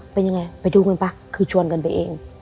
เป็นยังไงไปดูกันป่ะคือชวนกันไปเอง